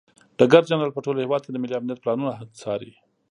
ډګر جنرال په ټول هیواد کې د ملي امنیت پلانونه څاري.